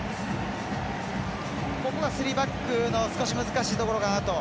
ここがスリーバックの少し難しいところかなと。